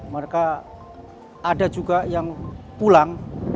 mereka ada juga yang pulang